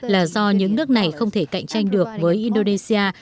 đã được hợp tác với indonesia